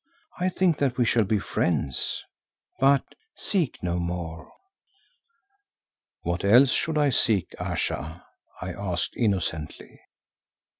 I think that we shall be friends, but—seek no more." "What else should I seek, Ayesha?" I asked innocently.